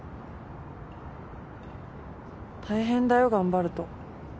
大変だよ頑張ると。